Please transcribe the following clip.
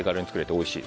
おいしい。